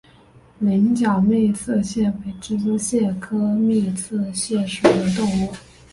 羚角密刺蟹为蜘蛛蟹科密刺蟹属的动物。